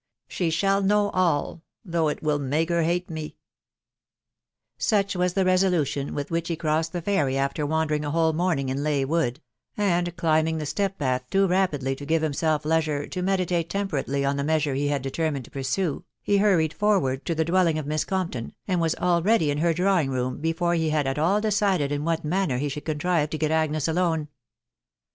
She shall know all ...» though it will make her bate me !" Such was the resolution with which he crossed the ferry after wandering a whole morning in Leigh Wood ; and climb ing the step path too rapidly to give himself leisure to meditate temperately on the measure he had determined to pursue, he hurried forward to the dwelling of Miss Compton, and wat already in her drawing room before he had at all decided in what manner he should contrive to get Agnes atarc&« H H 466 TJUft WIDOW BA&KABT.